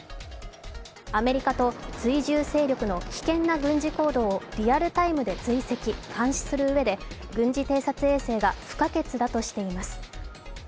アメリカと追従勢力の危険な軍事行動をリアルタイムで追跡、監視するうえで軍事偵察衛星が不可欠だとしています。